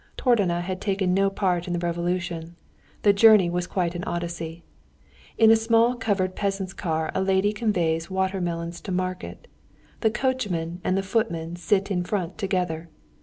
Tordona had taken no part in the Revolution.... The journey was quite an Odyssey. In a small covered peasant's car a lady conveys water melons to market; the coachman and the footman sit in front together.